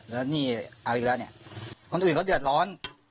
แล้วนี่เอาอีกแล้วเนี่ยคนอื่นเขาเดือดร้อน